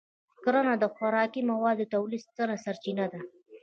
کرنه د خوراکي موادو د تولید ستره سرچینه ده.